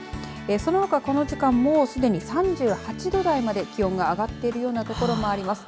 そのほか、この時間もうすでに３８度台まで気温が上がっているような所もあります。